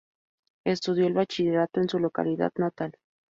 Estudió el Bachillerato en su localidad natal.